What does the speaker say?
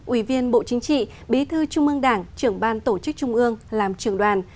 ủy viên bộ chính trị bí thư trung ương đảng trưởng ban tổ chức trung ương làm trưởng đoàn